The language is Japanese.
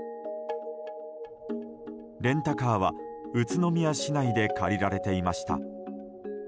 レンタカーは宇都宮市内で借りられていました。